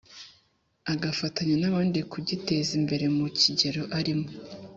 agafatanya n'abandi kugiteza imbere mu kigero arimo